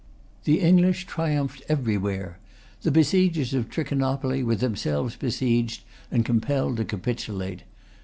The English triumphed everywhere. The besiegers of Trichinopoly were themselves besieged and compelled to capitulate.